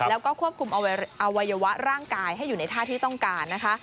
แล้วก็ควบคุมอวัยวะร่างกายให้อยู่ในท่าที่ต้องการนะคะ